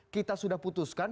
kita sudah putuskan